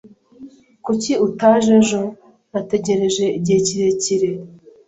Kuki utaje ejo? Nategereje igihe kirekire.